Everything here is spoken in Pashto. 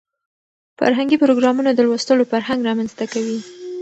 فرهنګي پروګرامونه د لوستلو فرهنګ رامنځته کوي.